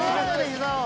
膝を。